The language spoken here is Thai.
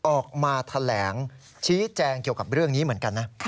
ออกมาแถลงชี้แจงเกี่ยวกับเรื่องนี้เหมือนกันนะ